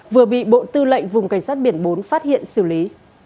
vừa bị bộ tư lệnh vùng cảnh sát biển bốn phát hiện xử lý